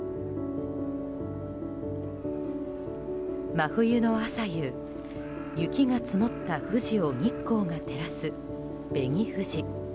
真冬の朝夕、雪が積もった富士を日光が照らす紅富士。